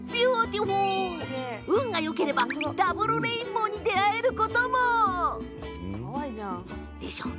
運がよければダブルレインボーに出会えることも。